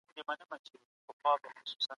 آیا ته د سياسي ګوندونو تاريخ لولې؟